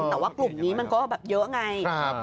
แต่ว่ากลุ่มนี้มันก็แบบเยอะไง